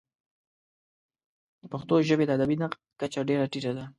د پښتو ژبې د ادبي نقد کچه ډېره ټیټه ده.